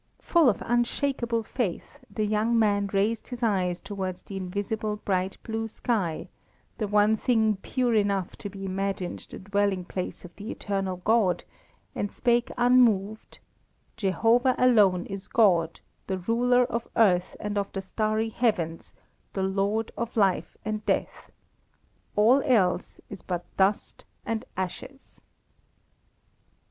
Full of unshakable faith, the young man raised his eyes towards the invisible bright blue sky, the one thing pure enough to be imagined the dwelling place of the eternal God, and spake unmoved: "Jehovah alone is God, the Ruler of earth and of the starry heavens, the Lord of life and death. All else is but dust and ashes."